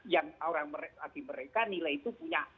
yang orang bagi mereka nilai itu punya